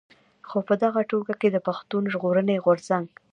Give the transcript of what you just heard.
خو په دغه ټولګه کې د پښتون ژغورني غورځنګ.